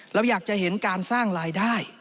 เราอยากจะเห็นการสร้างรายได้